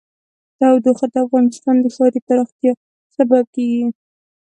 تودوخه د افغانستان د ښاري پراختیا سبب کېږي.